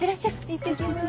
行ってきます。